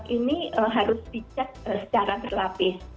ini harus dicek secara terlapis